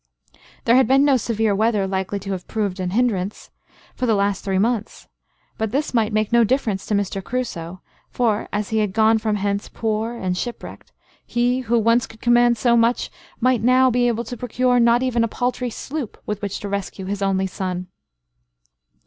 There had been no severe weather, likely to have proved an hindrance, for the last three months; but this might make no difference to Mr. Crusoe, for as he had gone from hence poor and shipwrecked, he, who once could command so much, might now be able to procure not even a paltry sloop, with which to rescue his only son.